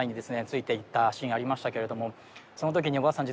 ついていったシーンありましたけれどもその時におばあさん